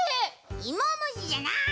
いもむしじゃない！